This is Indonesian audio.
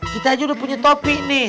kita aja udah punya topi nih